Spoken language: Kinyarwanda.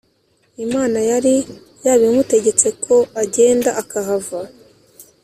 Imana yari yabimutegetse ko agenda akahava